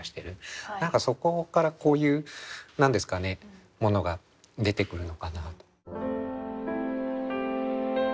何かそこからこういう何ですかねものが出てくるのかなと。